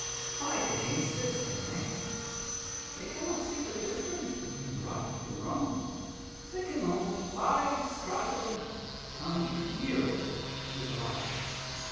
Fight against it as they may, they cannot see the difference between right and wrong; they can only, by struggling, come nearer to the light.